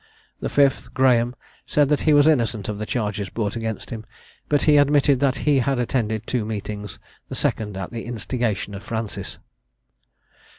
The fifth, Graham, said that he was innocent of the charges brought against him; but he admitted that he had attended two meetings, the second at the instigation of Francis.